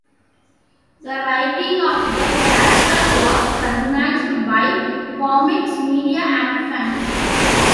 The writing of the character was scrutinized by comics media and fans.